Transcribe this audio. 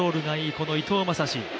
この伊藤将司。